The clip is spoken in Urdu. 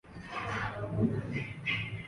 سات سمندر پار میں جدت ہے